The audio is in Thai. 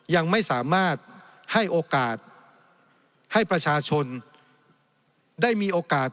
ยังไม่สามารถให้โอกาสให้ประชาชนได้มีโอกาส